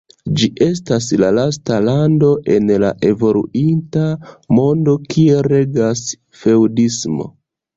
Ĝi estas la lasta lando en la evoluinta mondo, kie regas feŭdismo.